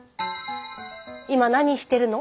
「今何してるの？」